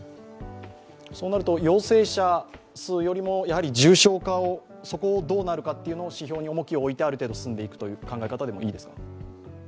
そうなると陽性者数よりも重症者化、そこをどうなるか指標に重きを置いてある程度進んでいくという考え方でいいですか？